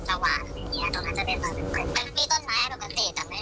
ใช่ปะมันเป็นแบบ๑๐แม่งก็เกือบ๑๐อะไรอย่างนี้